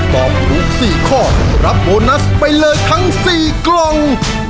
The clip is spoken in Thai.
ตอบถูก๔ข้อรับโบนัสไปเลยทั้ง๔กล่อง